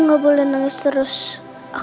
dan bu atiya juga pasti marah sama aku